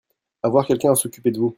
Avoir quelqu'un à s'occuper de vous.